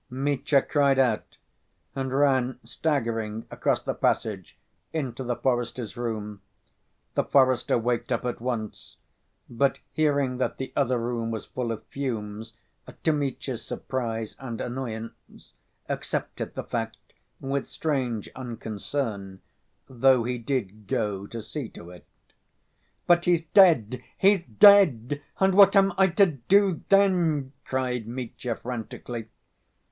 Mitya cried out, and ran staggering across the passage into the forester's room. The forester waked up at once, but hearing that the other room was full of fumes, to Mitya's surprise and annoyance, accepted the fact with strange unconcern, though he did go to see to it. "But he's dead, he's dead! and ... what am I to do then?" cried Mitya frantically.